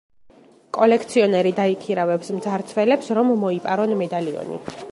კოლექციონერი დაიქირავებს მძარცველებს, რომ მოიპარონ მედალიონი.